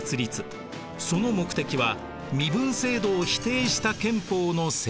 その目的は身分制度を否定した憲法の制定でした。